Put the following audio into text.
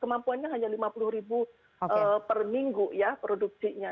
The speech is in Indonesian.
kemampuannya hanya lima puluh ribu per minggu ya produksinya